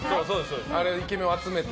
イケメンを集めて。